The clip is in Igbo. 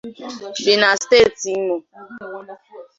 bi na steeti Imo.